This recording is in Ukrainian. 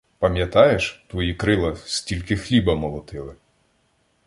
Пам’ятаєш, твої крила Стільки хліба молотили!